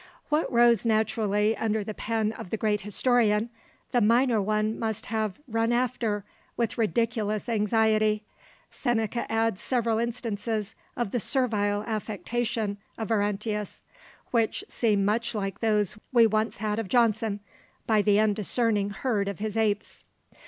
What rose naturally under the pen of the great historian, the minor one must have run after with ridiculous anxiety. Seneca adds several instances of the servile affectation of Arruntius, which seem much like those we once had of Johnson, by the undiscerning herd of his apes.